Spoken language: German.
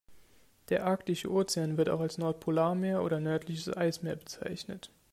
Der Arktische Ozean, wird auch als Nordpolarmeer oder nördliches Eismeer bezeichnet.